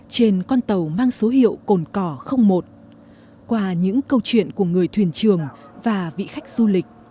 trên con tàu mang số hiệu cồn cỏ một